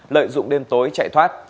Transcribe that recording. lợi dụng đêm tối chạy thoát